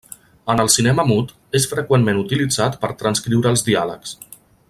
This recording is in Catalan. En el cinema mut, és freqüentment utilitzat per transcriure els diàlegs.